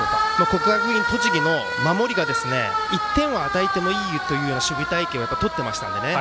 国学院栃木の守りが１点を与えてもいいというような守備隊形をとっていましたのでね。